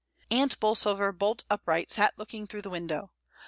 Aunt Bolsover, bolt upright, sat looking through the window.